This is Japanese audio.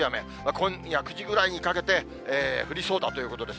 今夜９時ぐらいにかけて、降りそうだということです。